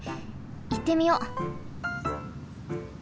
いってみよう！